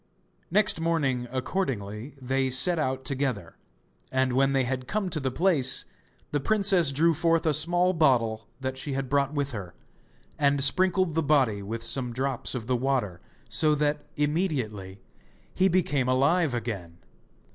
Next morning accordingly they set out together, and when they had come to the place, the princess drew forth a small bottle that she had brought with her, and sprinkled the body with some drops of the water so that immediately he became alive again.